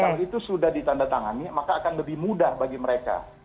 dan kalau itu sudah ditandatangani maka akan lebih mudah bagi mereka